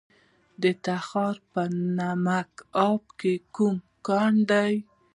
د تخار په نمک اب کې کوم کان دی؟